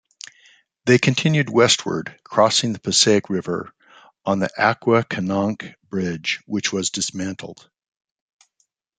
They continued westward, crossing the Passaic River on the Acquakanonk Bridge, which was dismantled.